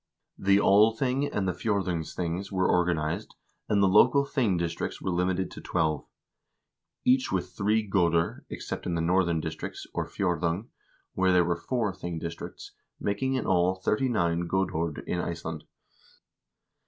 The Althing and the fjdrdungsthings were organized, and the local thing districts were limited to twelve ; each with three goder, except in the northern district, or fjdrdung, where there were four thing districts, making in all thirty nine godord in Iceland.